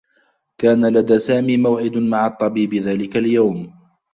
كان لدى سامي موعد مع الطّبيب ذلك اليوم.